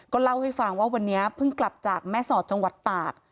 เล่าให้ฟังว่าวันนี้เพิ่งกลับจากแม่สอดจังหวัดตาก